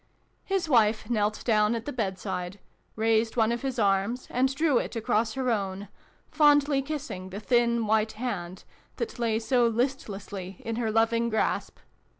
His wife knelt down at the bedside, raised one of his arms, and drew it across her own, fondly kissing the. thin white hand that lay so listlessly in her loving grasp.